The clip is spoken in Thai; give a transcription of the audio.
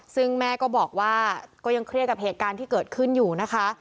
ซึ่งแม่ก็บอกว่าก็ยังเครียดกับเหตุการณ์ที่เกิดขึ้นอยู่นะคะ